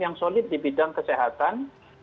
yang solid di bidang kesehatan